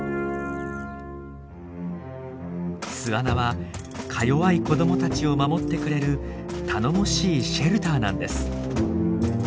巣穴はかよわい子どもたちを守ってくれる頼もしいシェルターなんです。